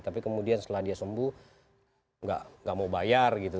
tapi kemudian setelah dia sembuh nggak mau bayar gitu